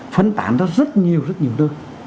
phân tán ra rất nhiều rất nhiều nơi